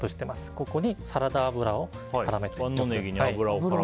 ここにサラダ油を絡めていきます。